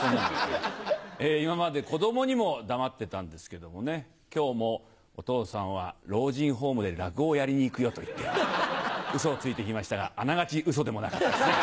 今まで子どもにも黙ってたんですけどもね、きょうもお父さんは老人ホームで落語をやりにいくよと言って、うそをついてきましたが、あながちうそでもなかったですね。